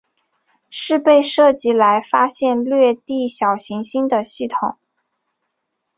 是被设计来发现掠地小行星的系统。